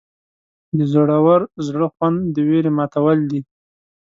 د زړور زړه خوند د ویرې ماتول دي.